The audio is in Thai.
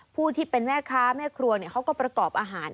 ผู้ที่เป็นแม่ค้าแม่ครัวเขาก็ประกอบอาหาร